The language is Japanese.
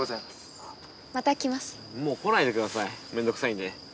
もう来ないでくださいめんどくさいんで。